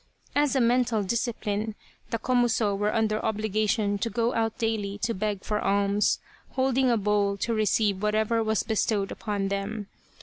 As a mental discipline the Komuso were under obligation to go out daily to beg for alms, holding a bowl to receive whatever was bestowed upon them.